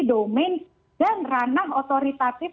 domain dan ranang otoritatif